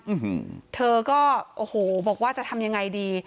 อืมเธอก็โอ้โหบอกว่าจะทำยังไงดี